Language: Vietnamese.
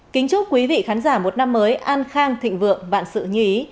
kính chúc quý vị khán giả một năm mới an khang thịnh vượng vạn sự như ý